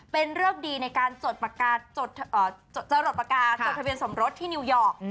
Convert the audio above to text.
เป็นเลิกดีในการจดปากกาจดทะเบียนสมรสที่นิวยอร์ก